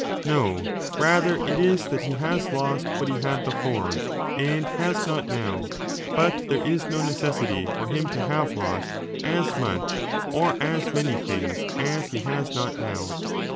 No : rather it is that he has lost what he had before and has not now ; but there is no necessity for him to have lost as nmch or as many things as he has not now.